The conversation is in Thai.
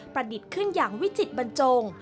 ดิษฐ์ขึ้นอย่างวิจิตบรรจง